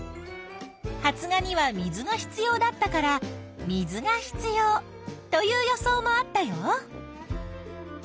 「発芽には水が必要だったから水が必要」という予想もあったよ。